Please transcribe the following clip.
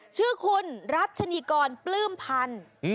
ชื่อคุณรัชนีกรปลื้มพันธุ์